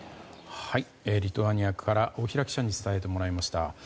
リトアニアから大平記者に伝えてもらいました。